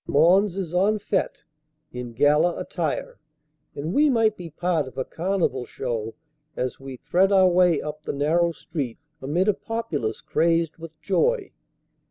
Mons is en fete, in gala attire; and we might be part of a carnival show as we thread our way up the narrow street amid a populace crazed with joy.